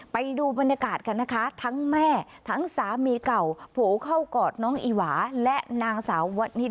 ไปดูบรรยากาศกันนะคะทั้งแม่ทั้งสามีเก่า